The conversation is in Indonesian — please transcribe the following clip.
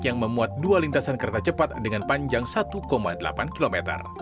yang memuat dua lintasan kereta cepat dengan panjang satu delapan km